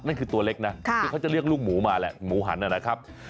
นั่นคือตัวเล็กนะคือเขาจะเรียกลูกหมูมาแหละหมูหันนะครับ